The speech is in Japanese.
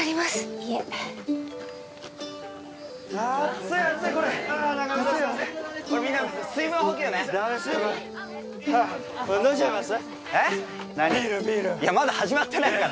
いやまだ始まってないから。